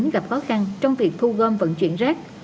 gặp khó khăn trong việc thu gom vận chuyển rác